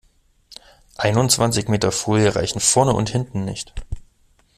Einundzwanzig Meter Folie reichen vorne und hinten nicht.